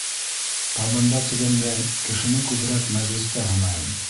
Табында тигәндәй, кешене күберәк мәжлестә һынайым.